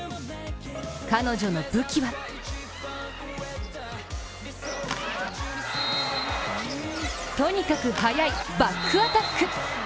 彼女の武器はとにかく速いバックアタック。